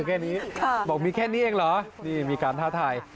แค่นี้บอกมีแค่นี้เองเหรอนี่มีการท้าทาย